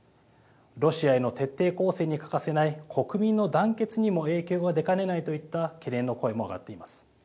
ロシアへの徹底抗戦に欠かせない国民の団結にも影響が出かねないといった懸念の声も上がっています。